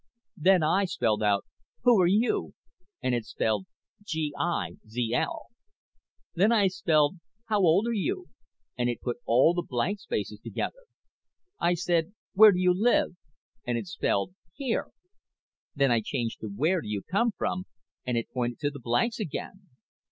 _ Then I spelled out Who are you and it spelled Gizl. Then I spelled How old are you and it put all the blank spaces together. _I said Where do you live and it spelled Here. Then I changed to Where do you come from and it pointed to the blanks again.